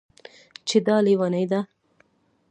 چې دا لېونۍ ده